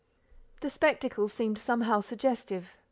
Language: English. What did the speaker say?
The spectacle seemed somehow suggestive.